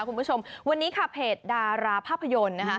คุณผู้ชมวันนี้ค่ะเพจดาราภาพยนตร์นะคะ